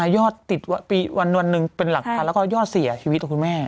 ยอดติดวันหนึ่งเป็นหลักพันแล้วก็ยอดเสียชีวิตของคุณแม่